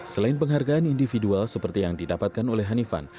selain penghargaan individual seperti yang didapatkan oleh hanifan